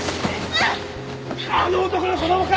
あの男の子供か！？